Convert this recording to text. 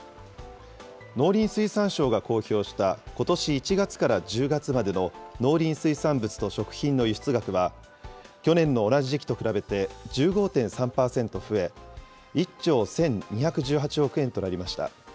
農林水産省が公表した、ことし１月から１０月までの農林水産物と食品の輸出額は、去年の同じ時期と比べて１５．３％増え、１兆１２１８億円となりました。